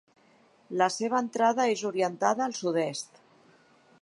La seva entrada és orientada al sud-est.